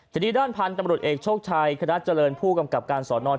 ทีนี้ด้านพันธุ์ตำรวจเอกโชคชัยคณะเจริญผู้กำกับการสอนอ